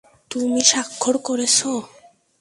তুমি স্বাক্ষর করেছ?